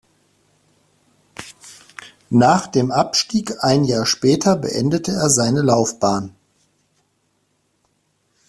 Nach dem Abstieg ein Jahr später beendete er seine Laufbahn.